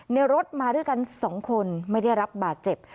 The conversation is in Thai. รถมาด้วยกัน๒คนไม่ได้รับบาดเจ็บ